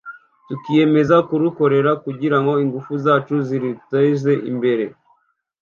tukaniyemeza kurukorera kugira ngo ingufu zacu ziruteze imbere